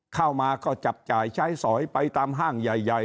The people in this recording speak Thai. เข้ามาก็จับจ่ายใช้สอยไปตามห้างใหญ่